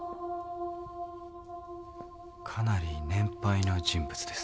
かなり年配の人物です。